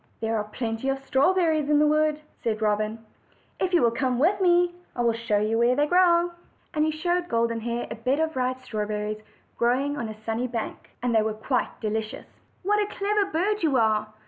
"There are plenty of strawberries in the wood," said Robin, "If you will come with me, I will show you where they grow." And he showed Golden Hair a bed of ripe red straw berries growing on a sunny bank. They were quite delicious. "What a clever bird yon are!"